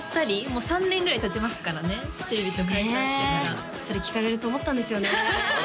もう３年ぐらいたちますからねつりビット解散してからそれ聞かれると思ったんですよね